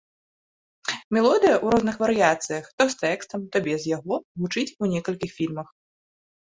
Мелодыя, у розных варыяцыях, то з тэкстам, то без яго, гучыць у некалькіх фільмах.